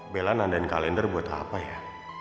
bella nandain kalender buat apa ya